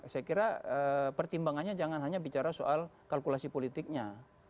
saya kira pertimbangannya jangan hanya bicara soal kalkulasi politiknya